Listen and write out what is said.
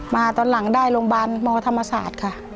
ตอนหลังได้โรงพยาบาลมธรรมศาสตร์ค่ะ